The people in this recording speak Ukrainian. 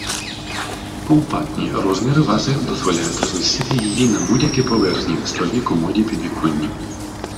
Компактні розміри вази дозволяють розмістити її на будь-якій поверхні: столі, комоді, підвіконні.